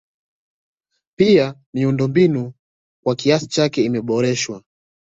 Pia miundombinu kwa kiasi chake imeboreshwa